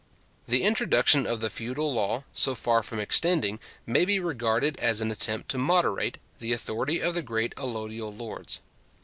The introduction of the feudal law, so far from extending, may be regarded as an attempt to moderate, the authority of the great allodial lords.